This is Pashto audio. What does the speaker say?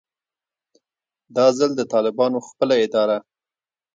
دا ځل د طالبانو خپله اداره